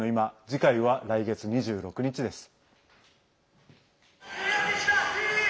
次回は来月２６日です。